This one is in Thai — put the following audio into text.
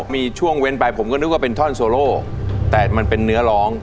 มีช่วงเว้นไปผมก็นึกว่าเป็นท่อนโซโลแต่มันเป็นเนื้อร้อง